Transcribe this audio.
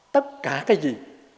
tất cả cái gì